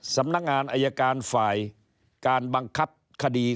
สำนักงานอายการฝ่ายการบังคับคดี